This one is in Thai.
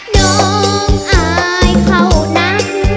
น้องอายเท่านั้น